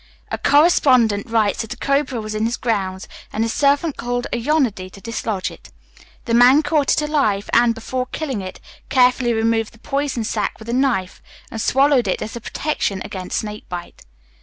A correspondent writes that a cobra was in his grounds, and his servant called in a Yanadi to dislodge it. The man caught it alive, and, before killing it, carefully removed the poison sac with a knife, and swallowed it as a protection against snake bite.